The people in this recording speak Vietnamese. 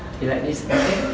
thì lại đi sắm tết